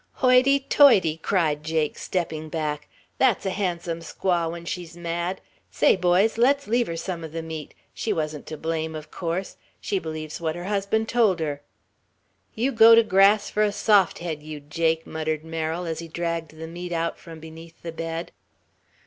"Hoity toity!" cried Jake, stepping back; "that's a handsome squaw when she's mad! Say, boys, let's leave her some of the meat. She wasn't to blame; of course, she believes what her husband told her." "You go to grass for a soft head, you Jake!" muttered Merrill, as he dragged the meat out from beneath the bed.